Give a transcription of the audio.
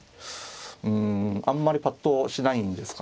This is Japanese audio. うんあんまりぱっとしないんですかね。